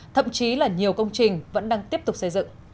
thậm chí là nhiều công trình vẫn đang tiếp tục xây dựng